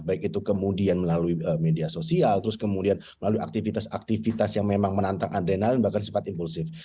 baik itu kemudian melalui media sosial terus kemudian melalui aktivitas aktivitas yang memang menantang adrenalin bahkan sifat impulsif